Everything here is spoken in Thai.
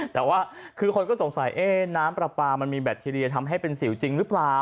แต่ว่าคือคนก็สงสัยน้ำปลาปลามันมีแบคทีเรียทำให้เป็นสิวจริงหรือเปล่า